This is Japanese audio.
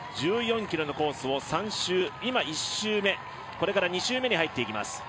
１４ｋｍのコースを３周今、１周目、これから２周目に入ってきます。